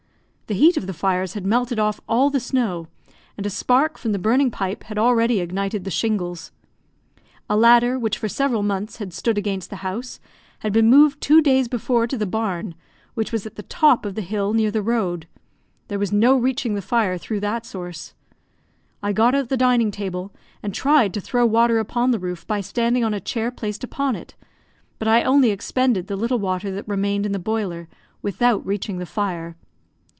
The heat of the fires had melted off all the snow, and a spark from the burning pipe had already ignited the shingles. A ladder, which for several months had stood against the house, had been moved two days before to the barn, which was at the top of the hill, near the road; there was no reaching the fire through that source. I got out the dining table, and tried to throw water upon the roof by standing on a chair placed upon it, but I only expended the little water that remained in the boiler, without reaching the fire.